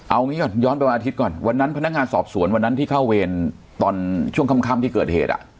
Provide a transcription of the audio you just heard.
เอางี้ก่อนย้อนไปวันอาทิตย์ก่อนวันนั้นพนักงานสอบสวนวันนั้นที่เข้าเวรตอนช่วงค่ำที่เกิดเหตุ